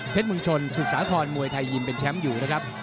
เมืองชนสุสาครมวยไทยยิมเป็นแชมป์อยู่นะครับ